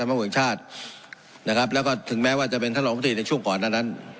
สำหรับเวียงชาตินะครับแล้วก็ถึงแม้ว่าจะเป็นท่านหลักมติในช่วงก่อนอันนั้น